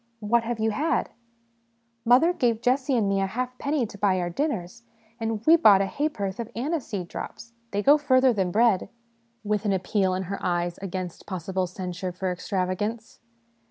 " What have you had ?"" Mother gave Jessie and me a halfpenny to buy our dinners, and we bought a haporth of aniseed drops they go further than bread " with an appeal in her eyes against possible censure for extravagance.